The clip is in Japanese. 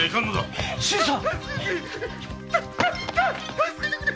助けてくれ！